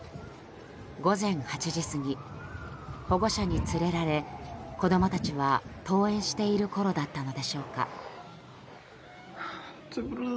午前８時過ぎ保護者に連れられ子供たちは登園しているころだったのでしょうか。